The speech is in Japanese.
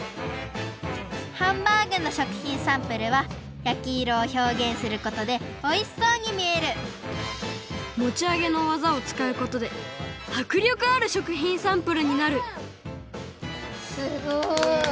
ハンバーグの食品サンプルはやきいろをひょうげんすることでおいしそうにみえるもちあげのわざをつかうことではくりょくある食品サンプルになるすごい！